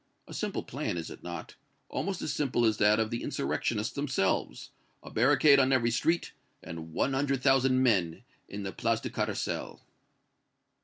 A simple plan, is it not? Almost as simple as that of the insurrectionists themselves a barricade on every street and one hundred thousand men in the Place du Carrousel!"